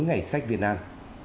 ngày sách việt nam